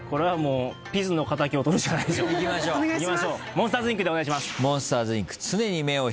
『モンスターズ・インク』でお願いします。